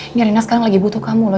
ini rina sekarang lagi butuh kamu loh